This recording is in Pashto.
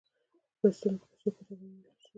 بستونه په څو کټګوریو ویشل شوي؟